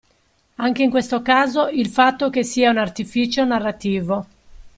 Anche in questo caso il fatto che sia un artificio narrativo.